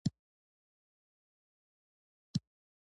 مرګ د انسان د غرور پای دی.